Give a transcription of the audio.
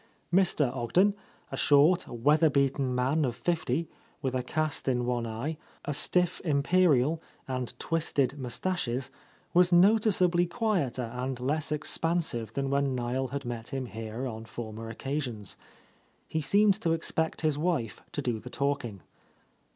Mr. Ogden, a short, weather beaten man of fifty, with a cast in one eye, a stiff imperial, and twisted moustaches, was noticeably quieter and less expansive than when Niel had met him here on former occasions. He seemed to expect his wife to do the talking.